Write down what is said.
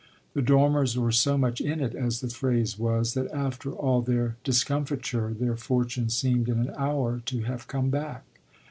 The Dormers were so much in it, as the phrase was, that after all their discomfiture their fortune seemed in an hour to have come back.